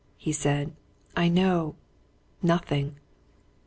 he said. "I know nothing!"